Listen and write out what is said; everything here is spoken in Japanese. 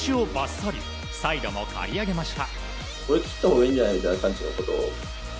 サイドも刈り上げました。